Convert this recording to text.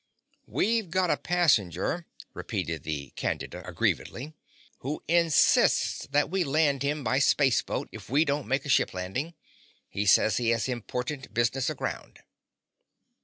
"We've got a passenger," repeated the Candida aggrievedly, "who insists that we land him by space boat if we don't make a ship landing. He says he has important business aground."